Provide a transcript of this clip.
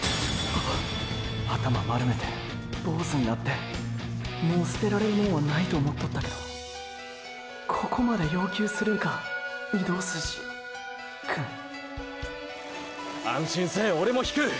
頭丸めてボーズんなってもう捨てられるもんはないと思っとったけどここまで要求するんか御堂筋クン安心せぇオレも引く！